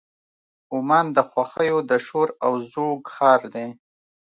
عمان د خوښیو د شور او زوږ ښار دی.